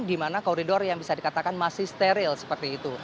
dimana koridor yang bisa dikatakan masih steril seperti itu